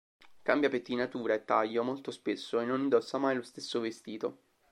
Cambia pettinatura e taglio molto spesso, e non indossa mai lo stesso vestito.